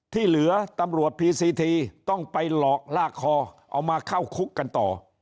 ที่เหลือตำรวจพีซีทีต้องไปหลอกลากคอเอามาเข้าคุกกันต่อ